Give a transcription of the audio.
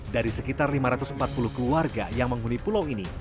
dari sekitar lima ratus empat puluh keluarga yang menghuni pulau ini